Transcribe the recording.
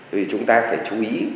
vì chúng ta phải chú ý